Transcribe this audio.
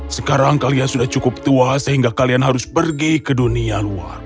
sekarang kalian sudah cukup tua sehingga kalian harus pergi ke dunia luar